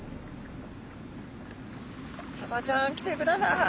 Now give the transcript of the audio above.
サバちゃん来てください。